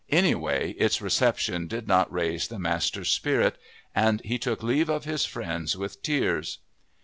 Anyway its reception did not raise the master's spirit. And he took leave of his friends with tears.